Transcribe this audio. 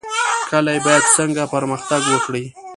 کلي باید څنګه پرمختګ وکړي؟